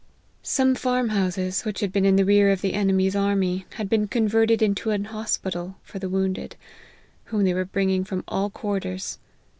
Some farm houses, which had been in the rear of the enemy's army, had been converted into an hospital for the wound ed, whom they were bringing from all quarters.